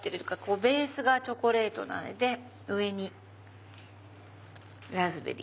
ベースがチョコレートで上にラズベリー。